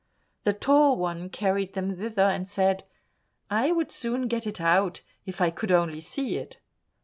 The Tall One carried them thither, and said, "I would soon get it out, if I could only see it."